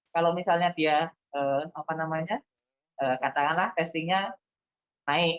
kalau misalnya dia apa namanya katakanlah testingnya naik